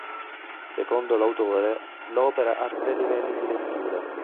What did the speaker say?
Secondo l'autore, l'opera ha tre livelli di lettura.